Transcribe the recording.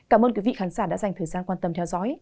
cảm ơn quý vị khán giả đã dành thời gian quan tâm theo dõi